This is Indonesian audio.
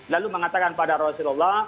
lalu mengatakan pada rasulullah